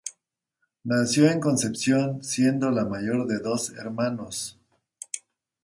Nació en Concepción, siendo la mayor de dos hermanos.